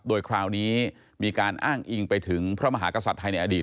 โดยคราวนี้มีการอ้างอิงไปถึงพระมหากษัตริย์ไทยในอดีต